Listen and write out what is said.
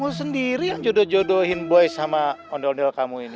kamu sendiri yang jodoh jodohin boy sama ondel ondel kamu ini